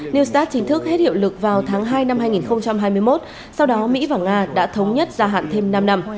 new start chính thức hết hiệu lực vào tháng hai năm hai nghìn hai mươi một sau đó mỹ và nga đã thống nhất gia hạn thêm năm năm